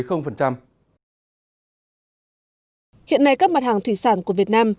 hiện nay các mặt hàng thủy sản của việt nam